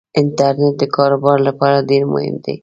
انټرنيټ دکار وبار لپاره ډیرمهم دی